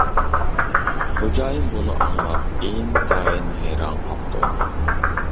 خوجايىن بۇنى ئاڭلاپ ئىنتايىن ھەيران قاپتۇ!